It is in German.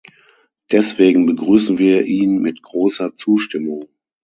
Deswegen begrüßen wir ihn mit großer Zustimmung.